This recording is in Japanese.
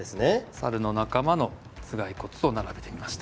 サルの仲間の頭蓋骨を並べてみました。